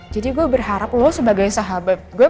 jadi gue berharap lu sebagai sahabat gue